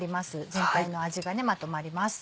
全体の味がねまとまります。